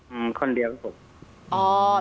คนเดียวครับผม